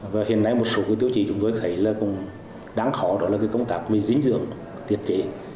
và hiện nay một số cái tiêu chí chúng tôi thấy là cũng đáng khó đó là cái công tác về diễn dưỡng tiệt trị